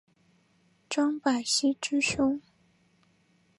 张百熙之兄。